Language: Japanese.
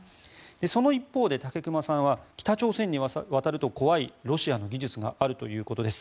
その一方で武隈さんは北朝鮮に渡ると怖いロシアの技術があるということです。